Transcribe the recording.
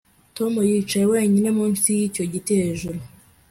Tom yicaye wenyine munsi yicyo giti hejuru